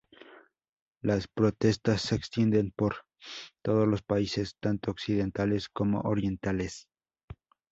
Las protestas se extienden por todos los países, tanto "occidentales" como "orientales".